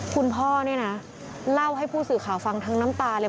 คุณพ่อเนี่ยนะเล่าให้ผู้สื่อข่าวฟังทั้งน้ำตาเลย